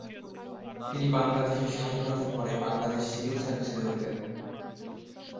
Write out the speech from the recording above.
তিনি বাংলাদেশের স্বাধীনতার পরে বাংলাদেশ সিভিল সার্ভিসে যোগ দেন।